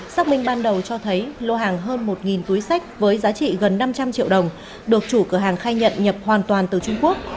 xác minh ban đầu cho thấy lô hàng hơn một túi sách với giá trị gần năm trăm linh triệu đồng được chủ cửa hàng khai nhận nhập hoàn toàn từ trung quốc